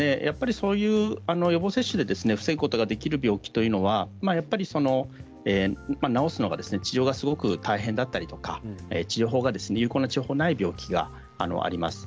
そういう予防接種で防ぐことができる病気というのは治すのが治療がすごく大変だったり有効な治療法がない病気があります。